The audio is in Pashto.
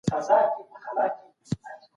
چي راته وخاندې